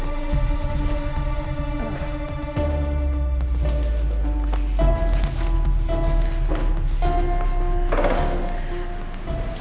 ya gitu sa